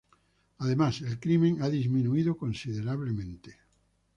Además, el crimen ha disminuido considerablemente.